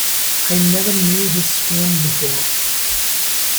I never knew her swoon before.